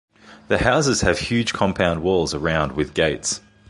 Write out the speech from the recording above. The houses have huge compound walls around with gates.